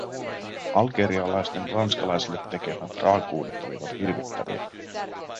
Algerialaisten ranskalaisille tekemät raakuudet olivat hirvittäviä.